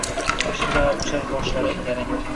Mashinalar uchar boshlari garang